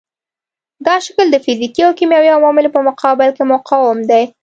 دا شکل د فزیکي او کیمیاوي عواملو په مقابل کې مقاوم دی.